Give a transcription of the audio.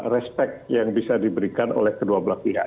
respect yang bisa diberikan oleh kedua belah pihak